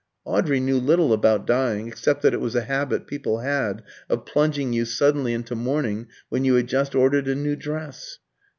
Audrey knew little about dying, except that it was a habit people had of plunging you suddenly into mourning when you had just ordered a new dress.